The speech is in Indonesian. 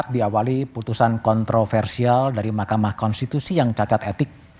diawali putusan kontroversial dari mahkamah konstitusi yang cacat etik